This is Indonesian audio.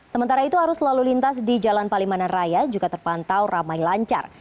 sementara itu arus lalu lintas di jalan palimanan raya juga terpantau ramai lancar